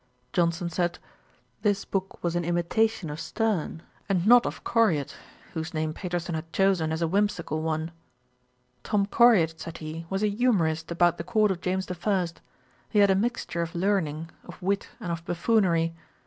Johnson said, this book was an imitation of Sterne, and not of Coriat, whose name Paterson had chosen as a whimsical one. 'Tom Coriat, (said he,) was a humourist about the court of James the First. He had a mixture of learning, of wit, and of buffoonery.